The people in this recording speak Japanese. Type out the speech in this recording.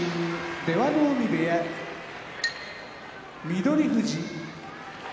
出羽海部屋翠富士